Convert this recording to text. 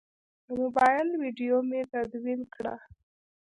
د موبایل ویدیو مې تدوین کړه.